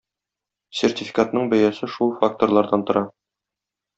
Сертификатның бәясе шул факторлардан тора.